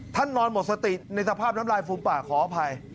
ท่านนอนหมดสติในสภาพน้ำไรฟุมปลาขออภัย